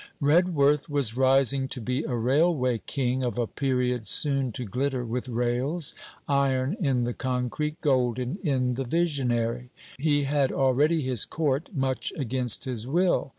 Redworth was rising to be a Railway King of a period soon to glitter with rails, iron in the concrete, golden in the visionary. He had already his Court, much against his will.